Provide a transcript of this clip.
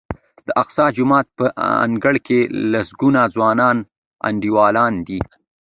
د اقصی جومات په انګړ کې لسګونه ځوانان انډیوالان دي.